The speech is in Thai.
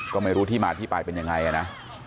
ก็ไม่รู้ที่มาที่ไปเป็นยังไงนะ